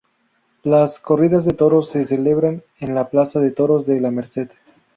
Las corridas de toros se celebran en la plaza de toros de La Merced.